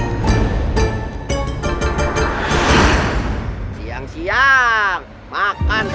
lalu nanti boli mana sesuatu woah